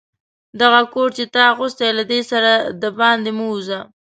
دغه کوټ چي تا اغوستی، له دې سره دباندي مه وزه.